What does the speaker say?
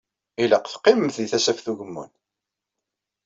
Ilaq teqqimemt di Tasaft Ugemmun.